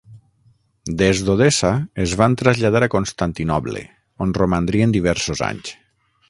Des d'Odessa, es van traslladar a Constantinoble, on romandrien diversos anys.